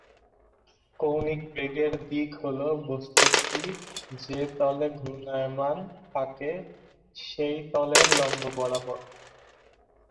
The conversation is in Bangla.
কৌণিক বেগের দিক হলো বস্তুটি যে তলে ঘূর্ণায়মান, থাকে সেই তলের লম্ব বরাবর।